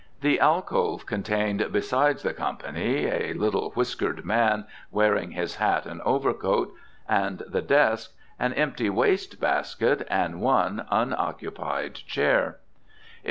The alcove contained, besides the "Co." (a little whiskered man, wearing his hat and overcoat) and the desk, an empty waste basket, and one unoccupied chair.